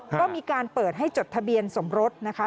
ก็มีการเปิดให้จดทะเบียนสมรสนะคะ